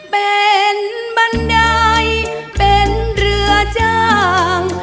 เป็นบันไดเป็นเรือจ้าง